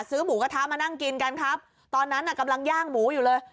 หมูกระทะมานั่งกินกันครับตอนนั้นน่ะกำลังย่างหมูอยู่เลย